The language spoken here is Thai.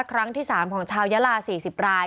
ครั้งที่๓ของชาวยาลา๔๐ราย